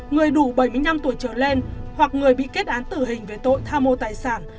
người đủ bảy mươi năm tuổi trở lên hoặc người bị kết án tử hình về tội tham mô tài sản